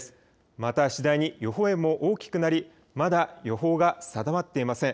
また次第に予報円も大きくなりまだ予報が定まっていません。